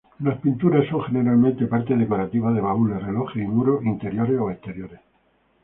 Las pinturas son generalmente parte decorativa de baúles, relojes y muros interiores o exteriores.